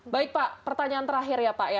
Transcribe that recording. baik pak pertanyaan terakhir ya pak